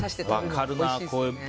分かるな。